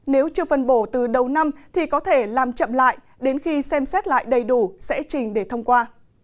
nếu chưa phân bổ từ đầu năm thì có thể làm chậm lại đến khi xem xét lại đầy đủ sẽ trình để thông qua